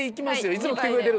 いつも来てくれてるんで。